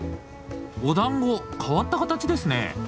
おだんご変わった形ですね。